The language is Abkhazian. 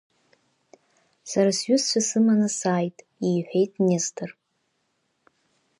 Сара сҩызцәа сыманы сааит, — иҳәеит Нестор…